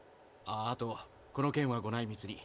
あとこの件はご内密に。